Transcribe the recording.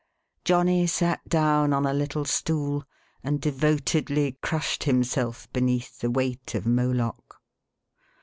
'" Johnny sat down on a little stool, and devotedly crushed himself beneath the weight of Moloch.